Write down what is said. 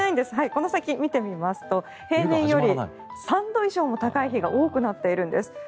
この先の予想を見てみますと平年より３度以上も高い日が多くなっているんです。